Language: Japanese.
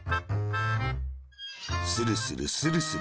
スルスル、スルスル。